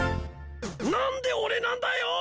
何で俺なんだよ！？